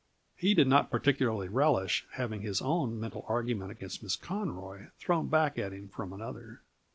He did not particularly relish having his own mental argument against Miss Conroy thrown back at him from another.